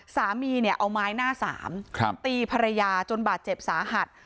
สามีเนี่ยเอาไม้หน้าสามตีภรรยาจนบาดเจ็บสาหัส